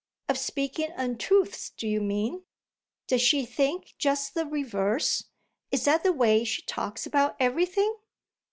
"Of speaking untruths, do you mean? Does she think just the reverse is that the way she talks about everything?"